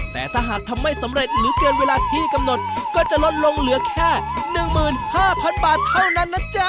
แต่ถ้าหากทำไม่สำเร็จหรือเกินเวลาที่กำหนดก็จะลดลงเหลือแค่๑๕๐๐๐บาทเท่านั้นนะจ๊ะ